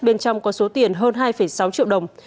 bên trong có số tiền hơn hai sáu triệu đồng